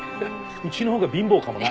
うちの方が貧乏かもな。